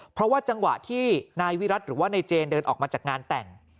เพราะว่าจังหวะที่นายวิรัติหรือว่านายเจนเดินออกมาจากงานแต่ง